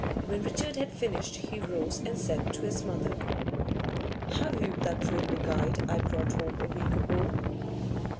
When Richard had finished, he rose and said to his mother 'Have you that railway guide I brought home a week ago?